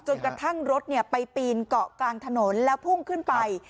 กระทั่งรถไปปีนเกาะกลางถนนแล้วพุ่งขึ้นไป